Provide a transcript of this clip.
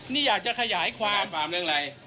นี่อยากจะขยายความถามเรื่องอะไร